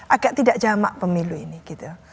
agak tidak jamak pemilu ini gitu